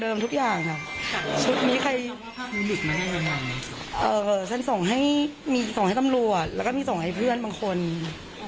ตอนนั้นก็ไม่ได้ติดใจที่ภาพนี้